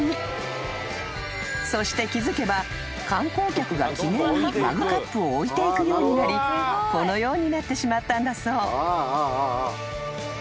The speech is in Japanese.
［そして気付けば観光客が記念にマグカップを置いていくようになりこのようになってしまったんだそう］